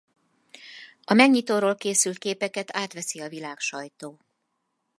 A megnyitóról készült képeket átveszi a világsajtó.